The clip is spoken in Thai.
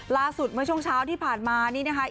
เมื่อช่วงเช้าที่ผ่านมานี่นะคะ